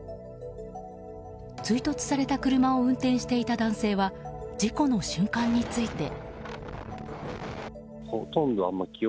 追突された車を運転していた男性は事故の瞬間について。